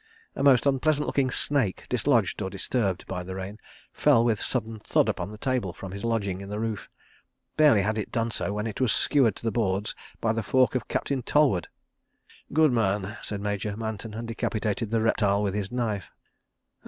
A most unpleasant looking snake, dislodged or disturbed by the rain, fell with sudden thud upon the table from his lodging in the roof. Barely had it done so when it was skewered to the boards by the fork of Captain Tollward. "Good man," said Major Manton, and decapitated the reptile with his knife.